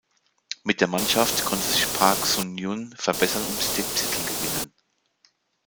Mit der Mannschaft konnte sich Park Sung-hyun verbessern und den Titel gewinnen.